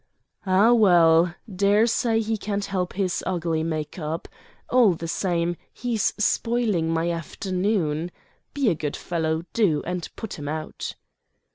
"Ah, well! Daresay he can't help his ugly make up. All the same, he's spoiling my afternoon. Be a good fellow, do, and put him out."